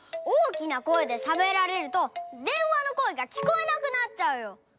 大きな声でしゃべられるとでんわの声がきこえなくなっちゃうよ！